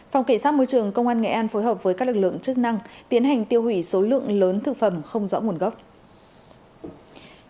phòng cảnh sát môi trường công an nghệ an phối hợp với các lực lượng chức năng tiến hành tiêu hủy số lượng lớn thực phẩm không rõ nguồn gốc